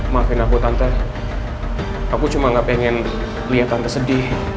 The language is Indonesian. maafin aku tante aku cuma gak pengen lihat tante sedih